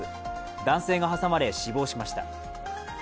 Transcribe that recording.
男性が間に挟まれ、死亡しました。